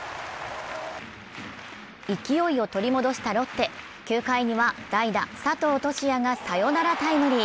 勢いを取り戻したロッテ、９回には代打・佐藤都志也がサヨナラタイムリー。